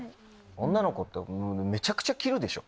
女の子ってめちゃくちゃ着るでしょ？